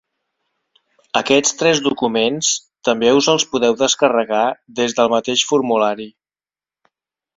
Aquests tres documents també us els podeu descarregar des del mateix formulari.